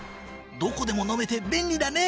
どこでも飲めて便利だね！